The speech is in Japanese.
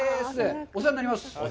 お世話になります。